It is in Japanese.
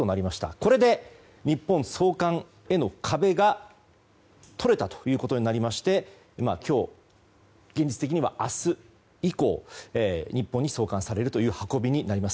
これで日本送還への壁がとれたとなりまして今日、現実的には明日以降、日本に送還される運びになります。